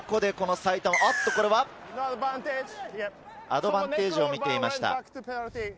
アドバンテージを見ていました。